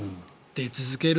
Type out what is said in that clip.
出続ける。